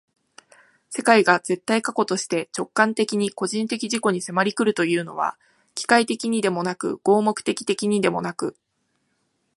世界が絶対過去として直観的に個人的自己に迫り来るというのは、機械的にでもなく合目的的にでもなく、